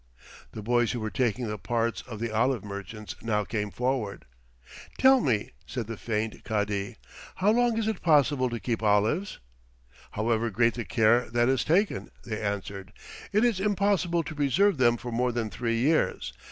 The boys who were taking the parts of olive merchants now came forward. "Tell me," said the feigned Cadi, "how long is it possible to keep olives?" "However great the care that is taken," they answered, "it is impossible to preserve them for more than three years.